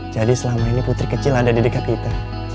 jadi selama ini putri kecil ada di dekat kita